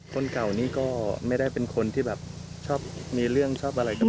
คนเก่านี้ก็ไม่ได้เป็นคนที่แบบชอบมีเรื่องชอบอะไรกับ